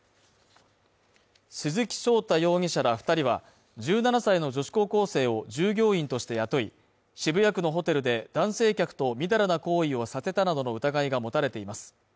鈴木翔太容疑者ら２人は、１７歳の女子高校生を従業員として雇い、渋谷区のホテルで男性客とみだらな行為をさせたなどの疑いが持たれています。